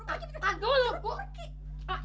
pok tak terlalu asan